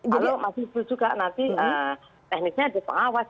kalau masih juga nanti teknisnya ada pengawas